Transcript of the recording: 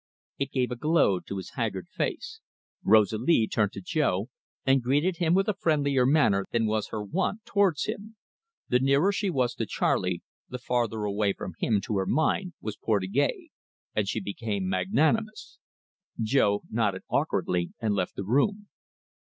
It gave a glow to his haggard face. Rosalie turned to Jo and greeted him with a friendlier manner than was her wont towards him. The nearer she was to Charley, the farther away from him, to her mind, was Portugais, and she became magnanimous. Jo nodded' awkwardly and left the room.